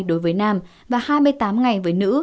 đối với nam và hai mươi tám ngày với nữ